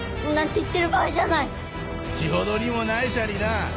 くちほどにもないシャリな。